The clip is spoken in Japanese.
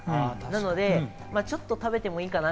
なのでちょっと食べてもいいかな？